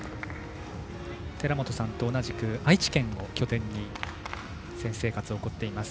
寺本さんと同じく愛知県を拠点に選手生活を送っています。